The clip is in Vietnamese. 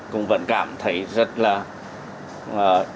cũng vẫn cảm thấy rất là tốt